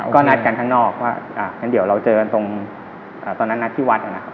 ก็นัดกันข้างนอกว่างั้นเดี๋ยวเราเจอกันตรงตอนนั้นนัดที่วัดนะครับ